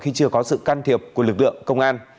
khi chưa có sự can thiệp của lực lượng công an